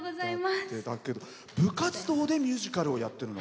部活動でミュージカルをやってるの？